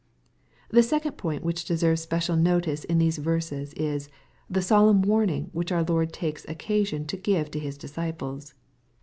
The second point which deserves special notice in these verses is, the solemn warning which our Lord takes occa sion to give to His disciples.